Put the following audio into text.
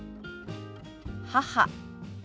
「母」。